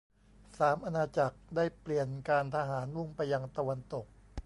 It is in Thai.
สาม อาณาจักรได้เปลี่ยนการทหารมุ่งไปยังตะวันตก